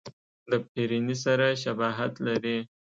د فرني سره شباهت لري.